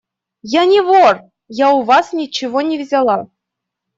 – Я не вор! Я у вас ничего не взяла.